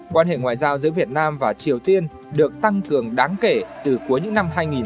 quan hệ ngoại giao giữa việt nam và triều tiên được tăng cường đáng kể từ cuối những năm hai nghìn một mươi